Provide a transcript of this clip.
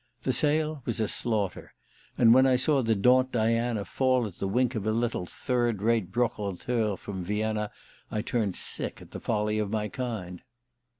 The sale was a slaughter and when I saw the Daunt Diana fall at the wink of a little third rate brocanteur from Vienna I turned sick at the folly of my kind.